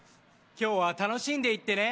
今日は楽しんでいってね。